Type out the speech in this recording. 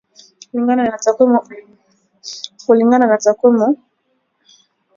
Kulingana na takwimu za Januari elfu mbili ishirini na mbili kutoka Benki Kuu ya Uganda